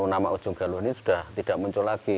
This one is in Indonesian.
nama ujung galuh ini sudah tidak muncul lagi